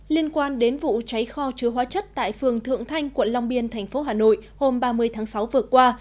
liên quan đến vụ cháy kho chứa hóa chất tại phường thượng thanh quận long biên thành phố hà nội hôm ba mươi tháng sáu vừa qua